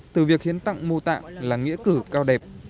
từ việc hiến tặng mô tạng là nghĩa cử cao đẹp